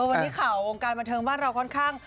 วันนี้ข่าววงการบันเทิงบ้านเราค่อนข้าง